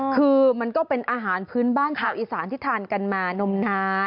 คือมันก็เป็นอาหารพื้นบ้านชาวอีสานที่ทานกันมานมน้ำ